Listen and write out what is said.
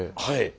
はい。